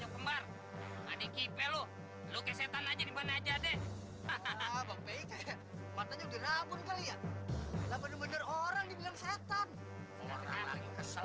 kamu gak mungkin anak gue ada di sini